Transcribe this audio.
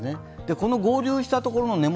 この合流したところの根元